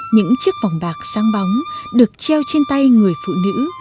những chiếc vòng bạc sáng bóng được treo trên tay người phụ nữ